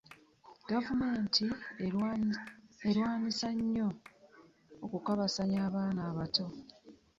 Gavumenti erwanisa nnyo okukabasanya abaana abato.